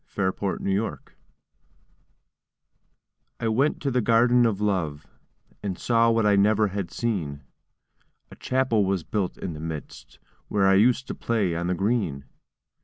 THE GARDEN OF LOVE I went to the Garden of Love, And saw what I never had seen; A Chapel was built in the midst, Where I used to play on the green.